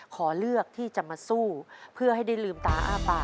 ขอเลือกที่จะมาสู้เพื่อให้ได้ลืมตาอ้าปาก